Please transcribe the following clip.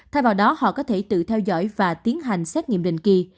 thay vào đó họ có thể tự theo dõi và tiến hành xét nghiệm định kỳ